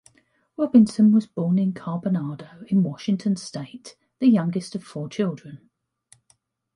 Robinson was born in Carbonado in Washington State, the youngest of four children.